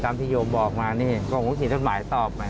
ตามที่โยมบอกมานี่ก็ผมถือท่านหมายตอบมา